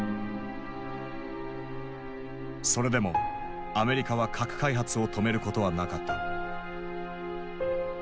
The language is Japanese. それでもアメリカは核開発を止めることはなかった。